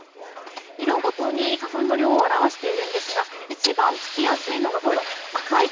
色ごとに花粉の量を表しているんですが、一番付きやすいのが、こえ？